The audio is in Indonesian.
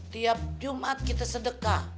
tiap jumat kita sedekah